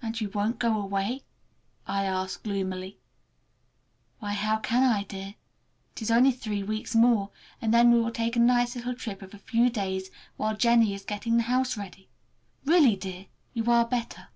"And you won't go away?" I asked gloomily. "Why, how can I, dear? It is only three weeks more and then we will take a nice little trip of a few days while Jennie is getting the house ready. Really, dear, you are better!"